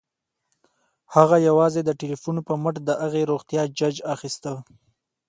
هغه یوازې د ټيليفون په مټ د هغې روغتيا جاج اخيسته